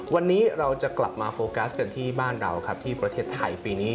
วันนี้เราจะกลับมาโฟกัสกันที่บ้านเราครับที่ประเทศไทยปีนี้